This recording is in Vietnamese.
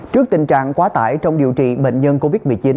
trước tình trạng quá tải trong điều trị bệnh nhân covid một mươi chín